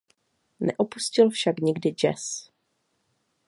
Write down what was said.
Neopustil však nikdy jazz.